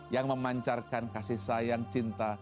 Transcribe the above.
yang memancarkan kasih sayang cinta